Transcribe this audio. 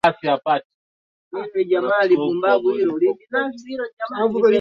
Katika historia ilijitokeza takribani mara nyingi